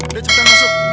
udah cepetan masuk